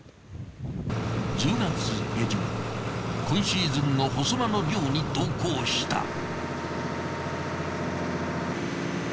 今シーズンの細間の漁に同行した。